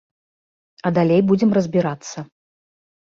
А далей будзем разбірацца.